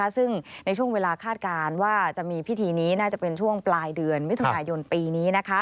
ซึ่งในช่วงเวลาคาดการณ์ว่าจะมีพิธีนี้น่าจะเป็นช่วงปลายเดือนมิถุนายนปีนี้